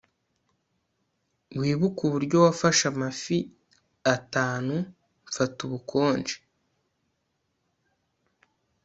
wibuke uburyo wafashe amafi atanu mfata ubukonje